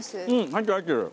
入ってる入ってる。